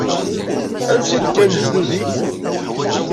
Ansi d-kkan lejdud-ik?